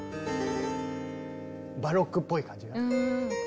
バロックっぽい感じが。